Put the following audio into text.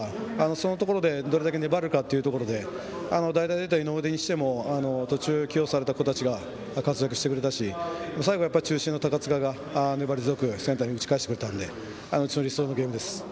そのところで、どれだけ粘るかというところで代打で出た井上にしても途中、起用された子たちが活躍してくれたし最後、中心の高塚が粘り強くセンターに打ち返してくれたので理想のゲームです。